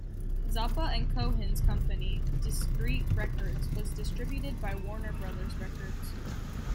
Zappa and Cohen's company DiscReet Records was distributed by Warner Brothers Records.